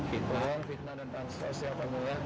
saya kaya saya dan uang fitnah dan transkosnya pemula